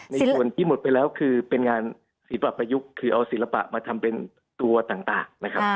ในส่วนที่หมดไปแล้วคือเป็นงานศิลปะประยุกต์คือเอาศิลปะมาทำเป็นตัวต่างนะครับ